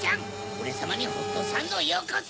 オレさまにホットサンドをよこせ！